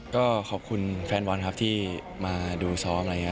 ก็ขอบคุณแฟนบอลครับที่มาดูซ้อมอะไรอย่างนี้